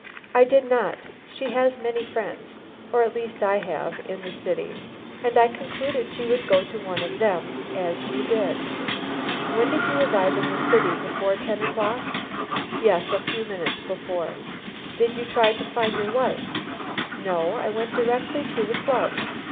"I did not. She has many friends, or at least I have, in the city, and I concluded she would go to one of them as she did." "When did you arrive in the city? before ten o'clock?" "Yes, a few minutes before." "Did you try to find your wife?" "No. I went directly to the club."